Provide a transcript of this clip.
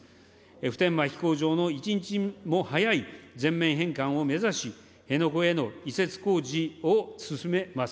普天間飛行場の一日も早い全面返還を目指し、辺野古への移設工事を進めます。